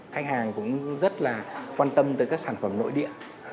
khách hàng cũng rất là quan tâm tới các sản phẩm nội địa